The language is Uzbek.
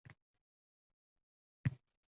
Shu’laga to’lajak baland-pastlar ham.